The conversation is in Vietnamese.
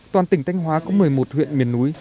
toàn tỉnh thanh hóa có một mươi một huyện miền núi